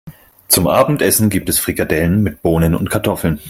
Zum Abendessen gibt es Frikadellen mit Bohnen und Kartoffeln.